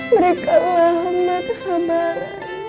berikanlah hamba kesabaran